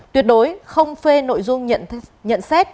tuyệt đối không phê nội dung nhận xét